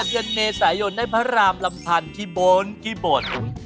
เย็นเมสายนได้พระรามลำพันธ์กิบดกิบด